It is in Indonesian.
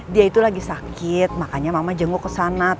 dia itu lagi sakit makanya mama jenguk ke sana